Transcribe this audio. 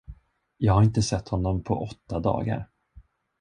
Jag har inte sett honom på åtta dagar.